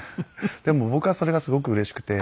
でも僕はそれがすごくうれしくて。